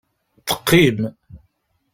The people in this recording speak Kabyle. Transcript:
Teqqim.